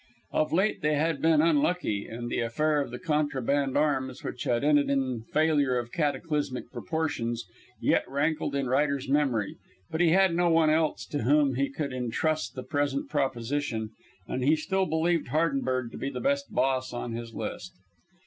Of late they had been unlucky, and the affair of the contraband arms, which had ended in failure of cataclysmic proportions, yet rankled in Ryder's memory, but he had no one else to whom he could intrust the present proposition and he still believed Hardenberg to be the best boss on his list.